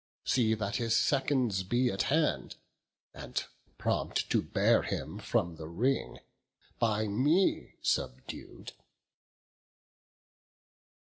See that his seconds be at hand, and prompt To bear him from the ring, by me subdued."